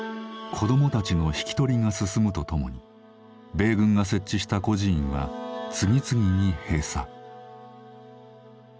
子どもたちの引き取りが進むとともに米軍が設置した孤児院は次々に閉鎖。